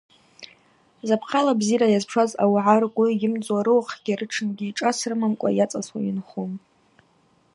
Запхъала бзира йазпшуаз ауагӏа ргвы ымдзуа рыуахъгьи рытшынгьи шӏас рымамкӏва йацасуа йынхун.